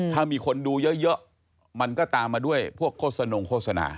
ถ้ามีคนดูเยอะมันก็ตามมาด้วยพวกโฆษณงโฆษณา